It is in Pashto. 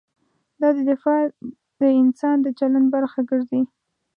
دا دفاع د انسان د چلند برخه ګرځي.